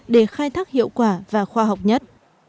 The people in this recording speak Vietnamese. để khai thác hiệu quả và khoa học nhất